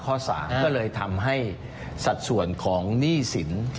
ข้อ๓ก็เลยทำให้สัดส่วนของหนี้สิน